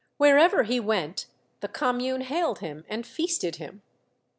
Wherever he went, the Commune hailed him and feasted him.